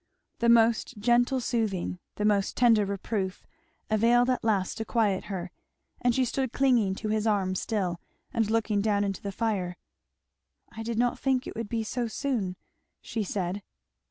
The most gentle soothing, the most tender reproof, availed at last to quiet her; and she stood clinging to his arm still and looking down into the fire. "I did not think it would be so soon," she said.